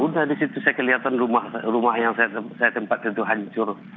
udah di situ saya kelihatan rumah yang saya tempatkan itu hancur